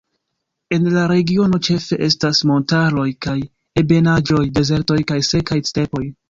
En la regiono ĉefe estas montaroj kaj ebenaĵoj, dezertoj kaj sekaj stepoj.